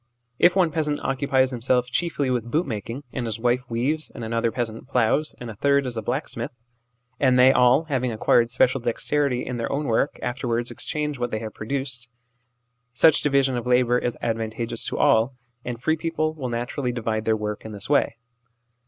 If one peasant occupies himself chiefly with boot making, and his wife weaves, and another peasant ploughs, and a third is a blacksmith, and they all, having acquired special dexterity in their own work, afterwards exchange what they have produced such division of labour is advantageous to all, and free people will naturally divide their work in this way.